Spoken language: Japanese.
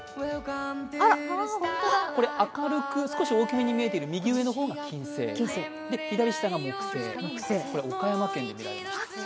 これ明るく、少し大きめに見えている下が金星、左下が木星、これは岡山県で見られました。